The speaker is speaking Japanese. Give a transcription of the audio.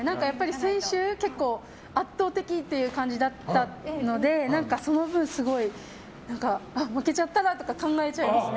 先週、結構圧倒的という感じだったのでその分、負けちゃったらとか考えちゃいますね。